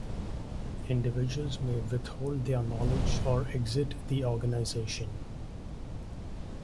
Individuals may withhold their knowledge or exit the organization.